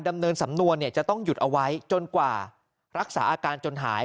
ดำเนินสำนวนจะต้องหยุดเอาไว้จนกว่ารักษาอาการจนหาย